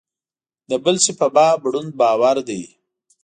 د بل شي په باب ړوند باور دی.